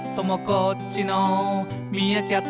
「こっちのミーアキャットも」